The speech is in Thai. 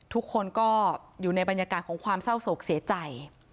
ทุกคนก็อยู่ในบรรยากาศของความเศร้าโศกเสียใจ